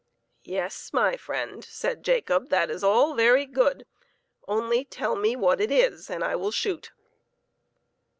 " Yes, my friend," said Jacob, " that is all very good ; only tell me what it is and I will shoot."